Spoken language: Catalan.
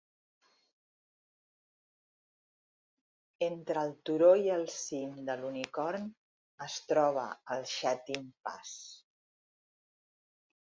Entre el turó i el cim de l'Unicorn es troba el Sha Tin Pass.